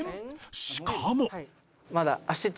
しかも